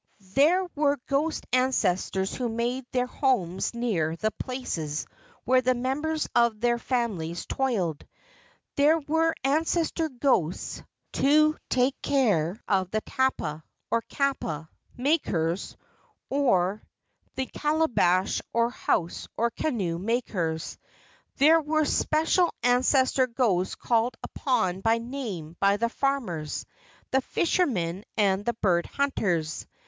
There were ghost ancestors who made their homes near the places where the members of their families toiled; there were ancestor ghosts to take care of the tapa, or kapa, makers, or AUMAKUAS, OR ANCESTOR GHOSTS 2 5 I the calabash or house or canoe makers. There were special ancestor ghosts called upon by name by the farmers, the fishermen, and the bird hunters.